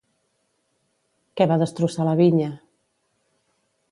Què va destrossar la vinya?